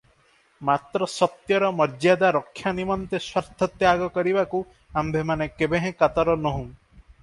ମାତ୍ର ସତ୍ୟର ମର୍ଯ୍ୟାଦା ରକ୍ଷା ନିମନ୍ତେ ସ୍ୱାର୍ଥତ୍ୟାଗ କରିବାକୁ ଅମ୍ଭେମାନେ କେବେହେଁ କାତର ନୋହୁଁ ।